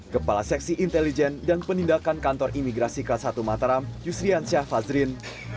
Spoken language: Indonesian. kepala seksi intelijen dan penindakan kantor imigrasi kelas satu mataram yusrian syah fazrin